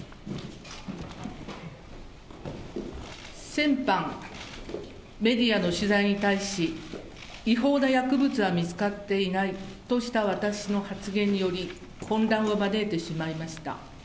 先般、メディアの取材に対し、違法な薬物は見つかっていないとした私の発言により、混乱を招いてしまいました。